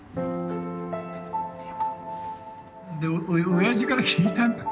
おやじから聞いたんだよ。